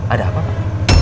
ada apa pak